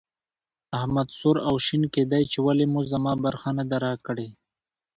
احمد سور او شين کېدی چې ولې مو زما برخه نه ده راکړې.